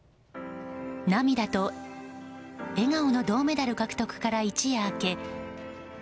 涙と笑顔の銅メダル獲得から一夜明け